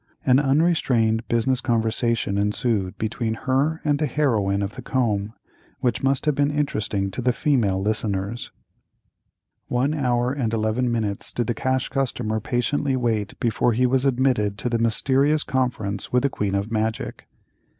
An unrestrained business conversation ensued between her and the heroine of the comb, which must have been interesting to the female listeners. One hour and eleven minutes did the Cash Customer patiently wait before he was admitted to the mysterious conference with the queen of magic.